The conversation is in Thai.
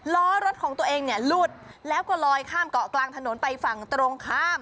ล้อรถของตัวเองเนี่ยหลุดแล้วก็ลอยข้ามเกาะกลางถนนไปฝั่งตรงข้าม